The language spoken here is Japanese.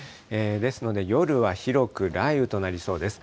ですので夜は広く雷雨となりそうです。